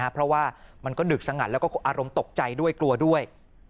เพราะว่ามันก็ดึกสงัดแล้วก็อารมณ์ตกใจด้วยกลัวด้วย